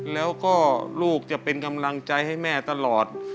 แล้วก็ลูกจะเป็นกำลังใจให้แม่ตลอด